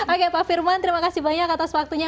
oke pak firman terima kasih banyak atas waktunya